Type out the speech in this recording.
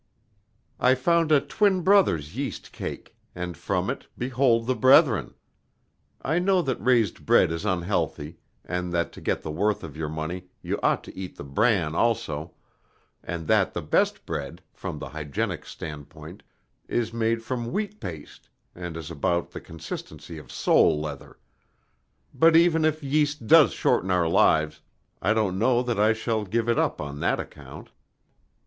I found a Twin Brothers yeast cake, and from it, behold the brethren! I know that raised bread is unhealthy, and that to get the worth of your money you ought to eat the bran also, and that the best bread, from the hygienic standpoint, is made from wheat paste, and is about the consistency of sole leather; but even if yeast does shorten our lives, I don't know that I shall give it up on that account."